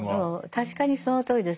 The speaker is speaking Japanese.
確かにそのとおりです。